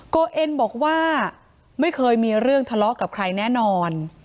โอเอ็นบอกว่าไม่เคยมีเรื่องทะเลาะกับใครแน่นอน